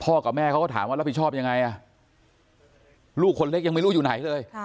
กับแม่เขาก็ถามว่ารับผิดชอบยังไงอ่ะลูกคนเล็กยังไม่รู้อยู่ไหนเลย